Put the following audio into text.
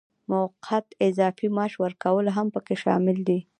موقت اضافي معاش ورکول هم پکې شامل دي.